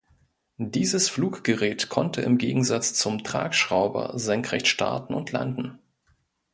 Dieses Fluggerät konnte im Gegensatz zum Tragschrauber senkrecht starten und landen.